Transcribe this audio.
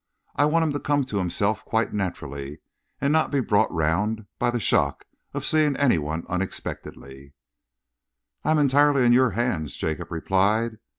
I want him to come to himself quite naturally and not to be brought round by the shock of seeing any one unexpectedly." "I am entirely in your hands," Jacob replied.